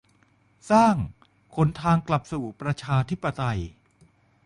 "สร้าง" หนทางกลับสู่ประชาธิปไตย